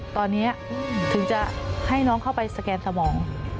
ตอนนี้ถึงจะให้น้องเข้าไปสแกนสมอง